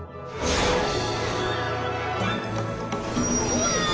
うわ！